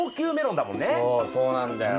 そうそうなんだよ。